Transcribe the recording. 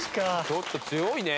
ちょっと強いね。